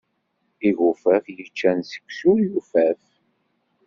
Igufaf yeččan seksu ur yufaf.